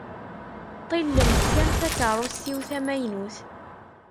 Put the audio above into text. Ṭillemt kan takeṛṛust-iw tamaynut.